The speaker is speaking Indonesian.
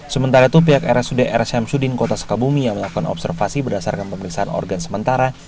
sementara itu pihak rsud rs syamsudin kota sukabumi yang melakukan observasi berdasarkan pemeriksaan organ sementara